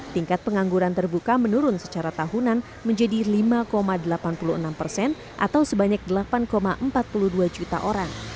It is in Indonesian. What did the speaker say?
tingkat pengangguran terbuka menurun secara tahunan menjadi lima delapan puluh enam persen atau sebanyak delapan empat puluh dua juta orang